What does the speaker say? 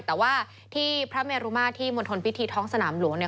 แต่ว่าที่พระเมรุมาที่มณฑลพิธีท้องสนามหลวงเนี่ย